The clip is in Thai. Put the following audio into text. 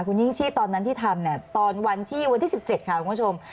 คุณยิ่งชีพตอนนั้นที่ทำเนี่ยตอนวันที่๑๗ค่ะคุณผู้ชม